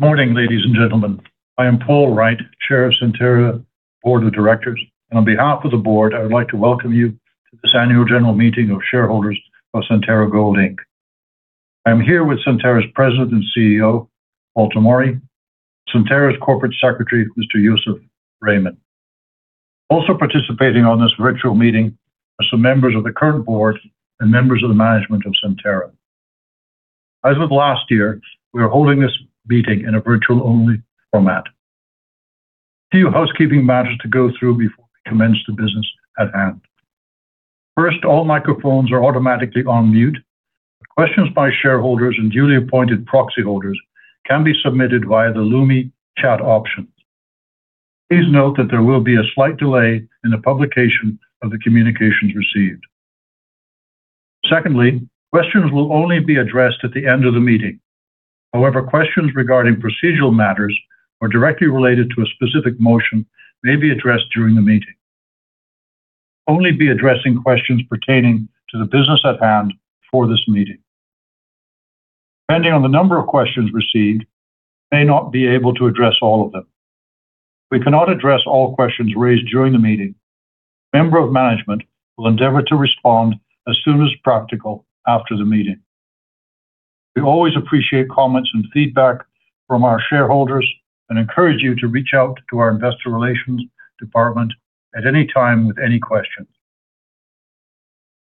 Morning, ladies and gentlemen. I am Paul Wright, chair of Centerra board of directors. On behalf of the board, I would like to welcome you to this annual general meeting of shareholders of Centerra Gold Inc. I'm here with Centerra's President and CEO, Paul Tomory. Centerra's corporate secretary, Mr. Yousef Rehman. Also participating on this virtual meeting are some members of the current board and members of the management of Centerra. As with last year, we are holding this meeting in a virtual only format. A few housekeeping matters to go through before we commence the business at hand. First, all microphones are automatically on mute. Questions by shareholders and duly appointed proxy holders can be submitted via the Lumi chat option. Please note that there will be a slight delay in the publication of the communications received. Secondly, questions will only be addressed at the end of the meeting. However, questions regarding procedural matters or directly related to a specific motion may be addressed during the meeting. We will only be addressing questions pertaining to the business at hand for this meeting. Depending on the number of questions received, we may not be able to address all of them. If we cannot address all questions raised during the meeting, member of management will endeavor to respond as soon as practical after the meeting. We always appreciate comments and feedback from our shareholders and encourage you to reach out to our Investor Relations department at any time with any questions.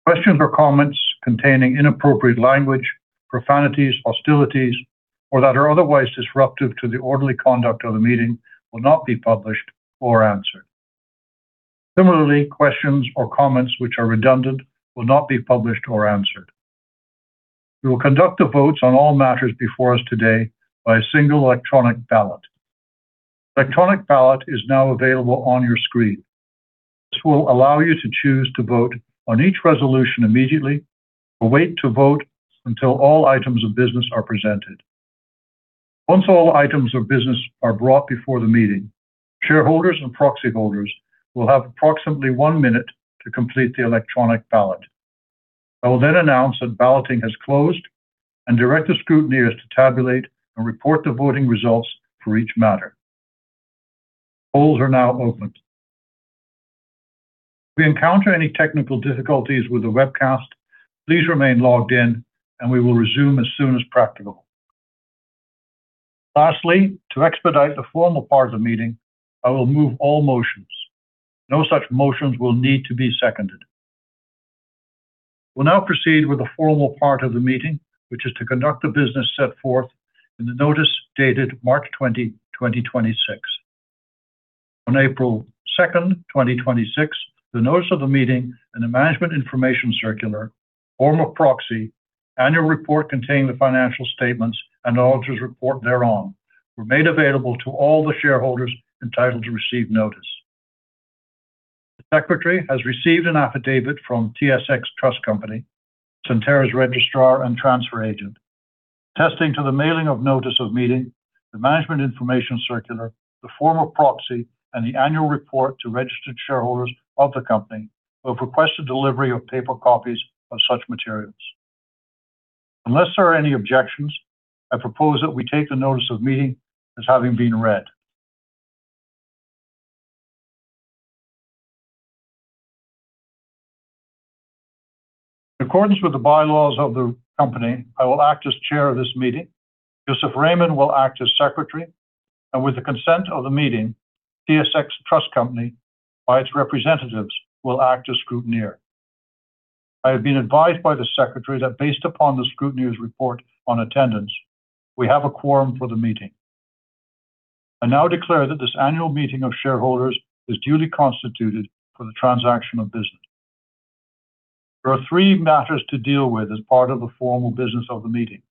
Questions or comments containing inappropriate language, profanities, hostilities, or that are otherwise disruptive to the orderly conduct of the meeting will not be published or answered. Similarly, questions or comments which are redundant will not be published or answered. We will conduct the votes on all matters before us today by a single electronic ballot. Electronic ballot is now available on your screen. This will allow you to choose to vote on each resolution immediately or wait to vote until all items of business are presented. Once all items of business are brought before the meeting, shareholders and proxy holders will have approximately one minute to complete the electronic ballot. I will then announce that balloting has closed and direct the scrutineers to tabulate and report the voting results for each matter. Polls are now open. If we encounter any technical difficulties with the webcast, please remain logged in, and we will resume as soon as practical. Lastly, to expedite the formal part of the meeting, I will move all motions. No such motions will need to be seconded. We'll now proceed with the formal part of the meeting, which is to conduct the business set forth in the notice dated March 20, 2026. On April 2, 2026, the notice of the meeting and the management information circular, form of proxy, annual report containing the financial statements and auditor's report thereon were made available to all the shareholders entitled to receive notice. The secretary has received an affidavit from TSX Trust Company, Centerra's registrar and transfer agent, attesting to the mailing of notice of meeting, the management information circular, the form of proxy, and the annual report to registered shareholders of the company who have requested delivery of paper copies of such materials. Unless there are any objections, I propose that we take the notice of meeting as having been read. In accordance with the bylaws of the company, I will act as chair of this meeting. Yousef Rehman will act as secretary, and with the consent of the meeting, TSX Trust Company by its representatives will act as scrutineer. I have been advised by the secretary that based upon the scrutineer's report on attendance, we have a quorum for the meeting. I now declare that this annual meeting of shareholders is duly constituted for the transaction of business. There are three matters to deal with as part of the formal business of the meeting.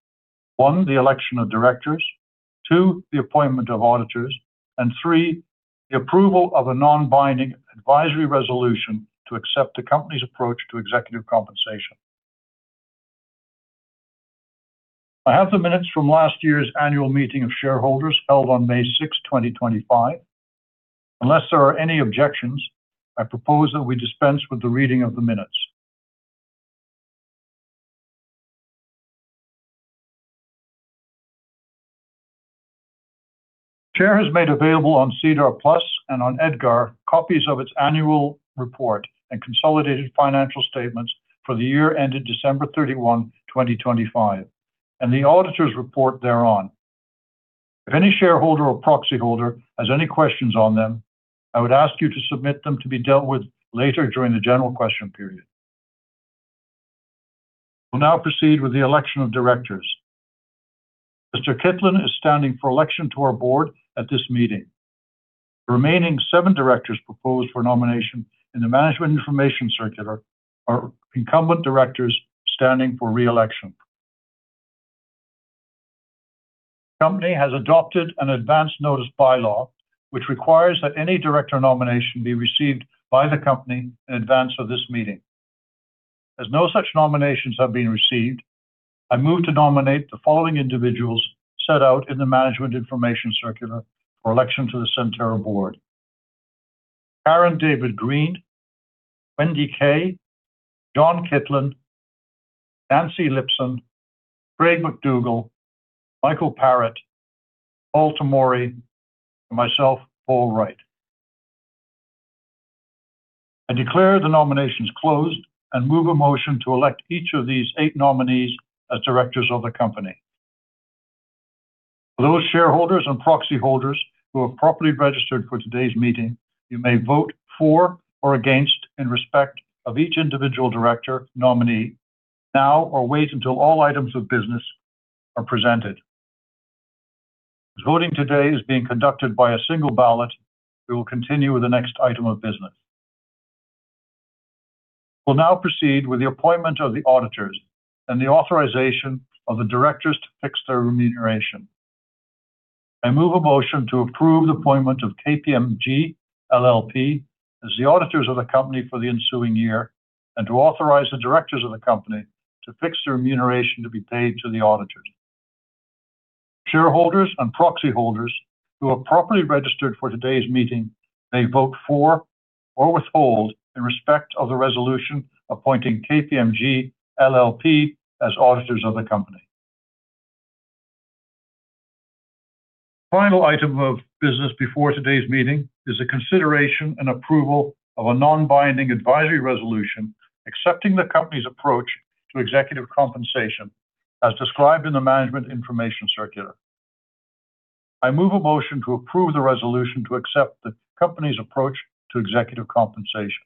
One, the election of directors. Two, the appointment of auditors. Three, the approval of a non-binding advisory resolution to accept the company's approach to executive compensation. I have the minutes from last year's annual meeting of shareholders held on May 6th, 2025. Unless there are any objections, I propose that we dispense with the reading of the minutes. Chair has made available on SEDAR+ and on EDGAR copies of its annual report and consolidated financial statements for the year ended December 31, 2025 and the auditor's report thereon. If any shareholder or proxy holder has any questions on them, I would ask you to submit them to be dealt with later during the general question period. We'll now proceed with the election of directors. Mr. Kitlen is standing for election to our board at this meeting. The remaining seven directors proposed for nomination in the management information circular are incumbent directors standing for re-election. Company has adopted an advanced notice bylaw, which requires that any director nomination be received by the company in advance of this meeting. As no such nominations have been received, I move to nominate the following individuals set out in the management information circular for election to the Centerra board Aaron David Green, Wendy Kei, John Kitlen, Nancy Lipson, Craig McDougall, Michael Parrett, Paul Tomory, and myself, Paul Wright. I declare the nominations closed and move a motion to elect each of these eight nominees as directors of the company. Those shareholders and proxy holders who have properly registered for today's meeting, you may vote for or against in respect of each individual director nominee now or wait until all items of business are presented. As voting today is being conducted by a single ballot, we will continue with the next item of business. We'll now proceed with the appointment of the auditors and the authorization of the directors to fix their remuneration. I move a motion to approve the appointment of KPMG LLP as the auditors of the company for the ensuing year and to authorize the directors of the company to fix the remuneration to be paid to the auditors. Shareholders and proxy holders who have properly registered for today's meeting may vote for or withhold in respect of the resolution appointing KPMG LLP as auditors of the company. Final item of business before today's meeting is a consideration and approval of a non-binding advisory resolution accepting the company's approach to executive compensation as described in the management information circular. I move a motion to approve the resolution to accept the company's approach to executive compensation.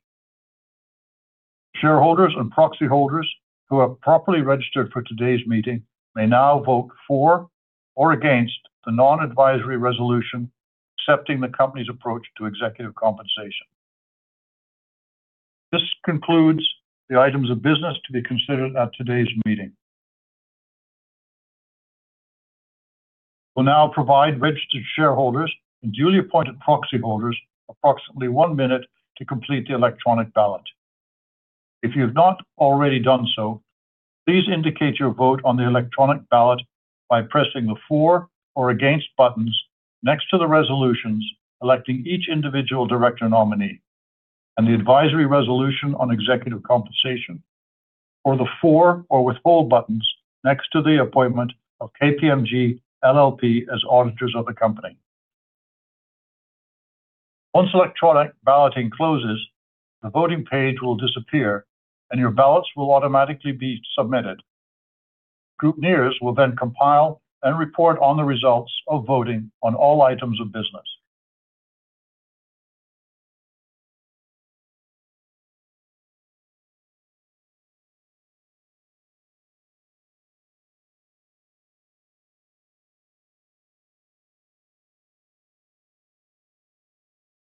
Shareholders and proxy holders who have properly registered for today's meeting may now vote for or against the non-advisory resolution accepting the company's approach to executive compensation. This concludes the items of business to be considered at today's meeting. We'll now provide registered shareholders and duly appointed proxy holders approximately 1-minute to complete the electronic ballot. If you've not already done so, please indicate your vote on the electronic ballot by pressing the for or against buttons next to the resolutions electing each individual director nominee and the advisory resolution on executive compensation, or the for or withhold buttons next to the appointment of KPMG LLP as auditors of the company. Once electronic balloting closes, the voting page will disappear, and your ballots will automatically be submitted. Scrutineers will then compile and report on the results of voting on all items of business.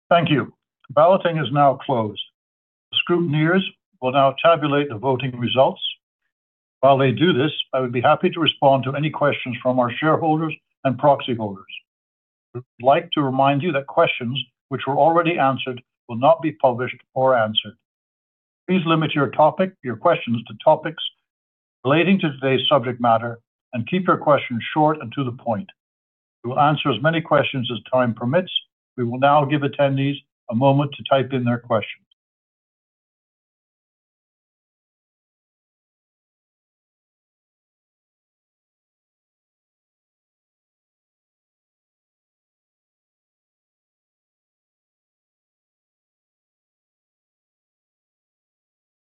Thank you. Balloting is now closed. The scrutineers will now tabulate the voting results. While they do this, I would be happy to respond to any questions from our shareholders and proxy holders. I would like to remind you that questions which were already answered will not be published or answered. Please limit your topic, your questions to topics relating to today's subject matter, and keep your questions short and to the point. We will answer as many questions as time permits. We will now give attendees a moment to type in their questions.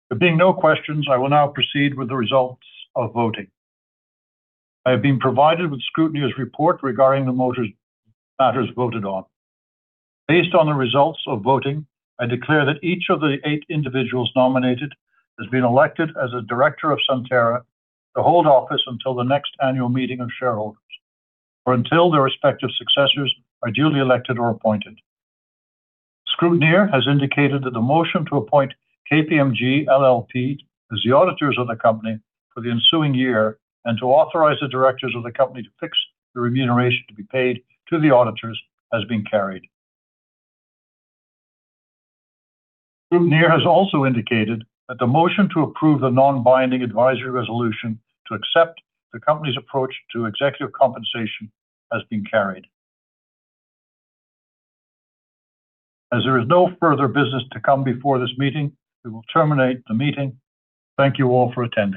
There being no questions, I will now proceed with the results of voting. I have been provided with scrutineers' report regarding the matters voted on. Based on the results of voting, I declare that each of the eight individuals nominated has been elected as a director of Centerra to hold office until the next annual meeting of shareholders or until their respective successors are duly elected or appointed. Scrutineer has indicated that the motion to appoint KPMG LLP as the auditors of the company for the ensuing year and to authorize the directors of the company to fix the remuneration to be paid to the auditors has been carried. Scrutineer has also indicated that the motion to approve the non-binding advisory resolution to accept the company's approach to executive compensation has been carried. As there is no further business to come before this meeting, we will terminate the meeting. Thank you all for attending.